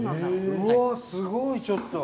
うわすごいちょっと。